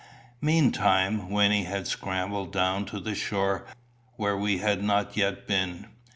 Meantime, Wynnie had scrambled down to the shore, where we had not yet been.